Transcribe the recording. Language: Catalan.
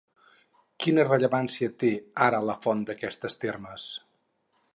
Quina rellevància té ara la font d'aquestes termes?